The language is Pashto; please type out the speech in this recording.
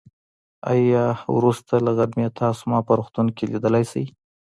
آيا وروسته له غرمې تاسو ما په روغتون کې ليدای شئ.